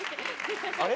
・あれ？